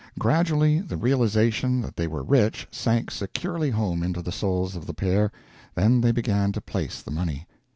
Gradually the realization that they were rich sank securely home into the souls of the pair, then they began to place the money.